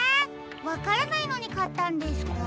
わからないのにかったんですか？